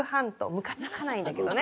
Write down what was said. むかつかないんだけどね。